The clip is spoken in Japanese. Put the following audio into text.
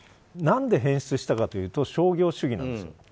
なんで変質したかというと商業主義なんです。